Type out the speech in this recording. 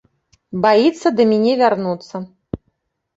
Баіцца да міне вярнуцца.